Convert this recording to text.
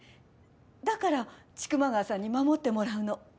だから千曲川さんに守ってもらうの。